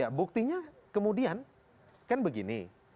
ya buktinya kemudian kan begini